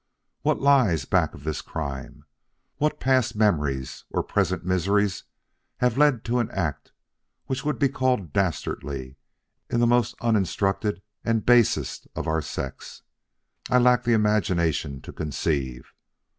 What lies back of this crime what past memories or present miseries have led to an act which would be called dastardly in the most uninstructed and basest of our sex, I lack the imagination to conceive.